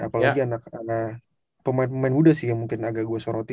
apalagi anak anak pemain pemain muda sih yang mungkin agak gue soroti